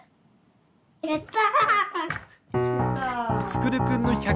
やった！